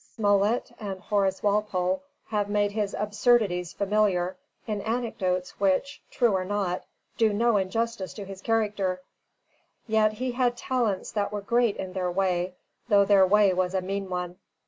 Smollett and Horace Walpole have made his absurdities familiar, in anecdotes which, true or not, do no injustice to his character; yet he had talents that were great in their way, though their way was a mean one.